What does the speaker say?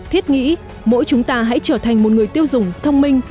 thiết nghĩ mỗi chúng ta hãy trở thành một người tiêu dùng thông minh